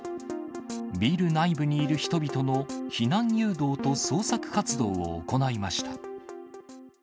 ビル内部にいる人々の避難誘導と捜索活動を行いました。